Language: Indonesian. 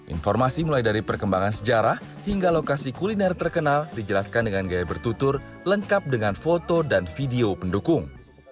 informasi mulai dari perkembangan sejarah hingga lokasi kuliner terkenal dijelaskan dengan gaya bertutur lengkap dengan foto dan video pendukung